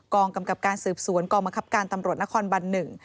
กำกับการสืบสวนกองบังคับการตำรวจนครบันหนึ่ง